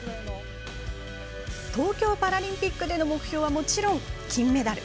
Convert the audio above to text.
東京パラリンピックでの目標はもちろん金メダル。